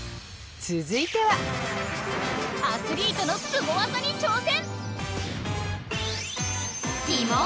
続いてはアスリートのすご技に挑戦！